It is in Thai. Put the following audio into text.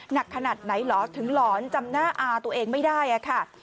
หนักขนาดไหนเหรอถึงหลอนจำหน้าอาตัวเองไม่ได้ค่ะ